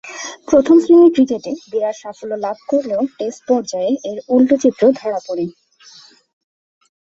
প্রথম-শ্রেণীর ক্রিকেটে বিরাট সাফল্য লাভ করলেও টেস্ট পর্যায়ে এর উল্টো চিত্র ধরা পড়ে।